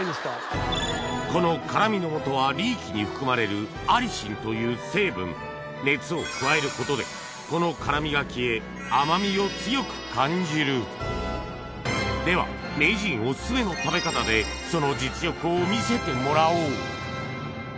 この辛みの元はリーキに含まれるアリシンという成分熱を加えることでこの辛みが消え甘みを強く感じるでは名人お薦めの食べ方でその実力を見せてもらおう！